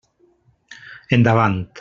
Endavant.